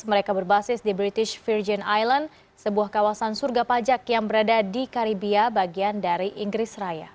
mereka berbasis di british virgin island sebuah kawasan surga pajak yang berada di karibia bagian dari inggris raya